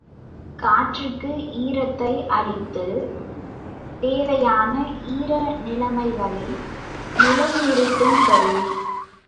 காற்றுக்கு ஈரத்தை அளித்துத் தேவையான ஈர நிலைமைகளை நிலைநிறுத்துங்கருவி.